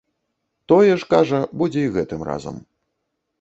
Тое ж, кажа, будзе і гэтым разам.